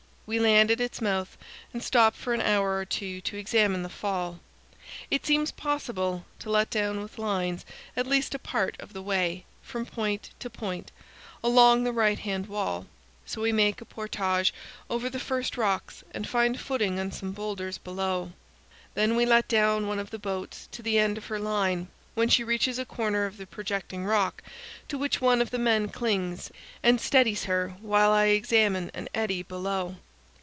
We land at its mouth and stop for an hour or two to examine the fall. It seems possible to let down with lines, at least a part of the way, from point to point, along the right hand wall. So we make a portage over the first rocks and find footing on some boulders below. Then we let down one of the boats to the end of her line, when she reaches a corner of the projecting rock, to which one of the men clings and steadies her while I examine an eddy below.